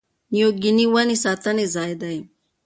نیو ګیني ونې ساتنې ځای دی.